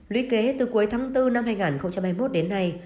lý kế từ cuối tháng bốn năm hai nghìn hai mươi một đến nay